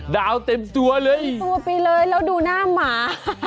ดาวเต็มตัวเลยเต็มตัวไปเลยแล้วดูหน้าหมา